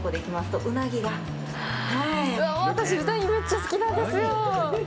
私、うなぎ、めっちゃ好きなんですよ。